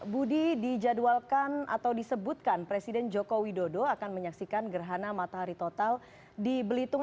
budi dijadwalkan atau disebutkan presiden joko widodo akan menyaksikan gerhana matahari total di belitung